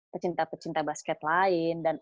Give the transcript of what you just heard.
pecinta pecinta basket lain dan